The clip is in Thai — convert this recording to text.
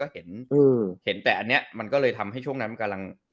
เห็นแต่อันเนี่ยมันก็เลยทำให้ช่วงนั้น